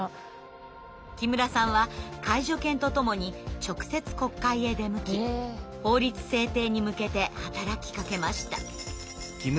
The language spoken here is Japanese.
木村さんは介助犬と共に直接国会へ出向き法律制定に向けて働きかけました。